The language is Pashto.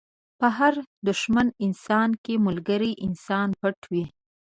په هر دښمن انسان کې ملګری انسان پټ وي.